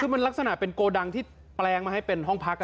คือมันลักษณะเป็นโกดังที่แปลงมาให้เป็นห้องพัก